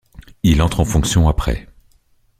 Il entre en fonction après.